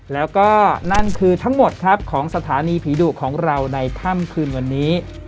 แล้วก็นั่นคือทั้งหมดครับของสถานีผีดุของเราในค่ำคืนวันนี้